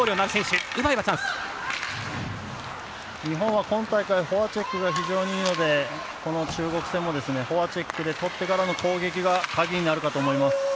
日本は今大会フォアチェックが非常にいいので、中国戦もフォアチェックでとってからの攻撃がカギになると思います。